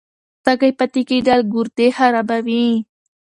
تږی پاتې کېدل ګردې خرابوي.